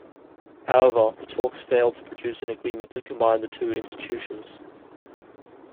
However, the talks failed to produce an agreement to combine the two institutions.